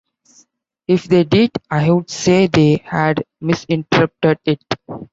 If they did I would say they had misinterpreted it.